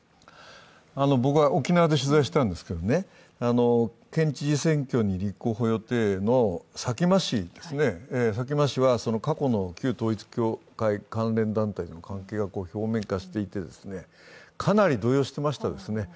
僕は沖縄で取材したんですけど、県知事選挙に立候補予定の佐喜真氏は、過去の旧統一教会関連団体と関係が表面化していて、かなり動揺してましたね。